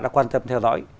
đã quan tâm theo dõi